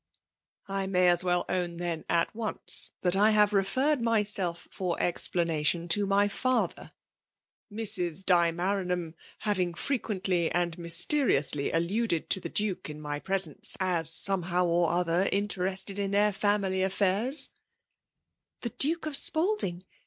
*'" I may as well oWn, then, at once, that T have refi^rred myself for explanation to my father, — ^Mrs. Di Maranham having frequently. 182 vEUhhm ixminATioK. and myBteriouly alluded to the Duke in pvesenoe aa somehow or oAer intereaied in their fiunily affairs/' ''The Duke of Spaldmg?